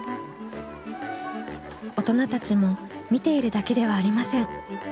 大人たちも見ているだけではありません。